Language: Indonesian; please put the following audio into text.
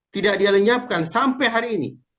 tidak dia lenyapkan sampai hari ini